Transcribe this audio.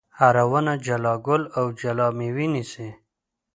هره ونه جلا ګل او جلا مېوه نیسي.